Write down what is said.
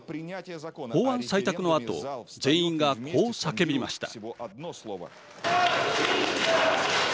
法案採択のあと全員が、こう叫びました。